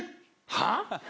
はあ？